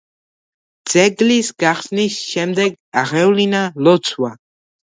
ძეგლის გახსნის შემდეგ აღევლინა ლოცვა.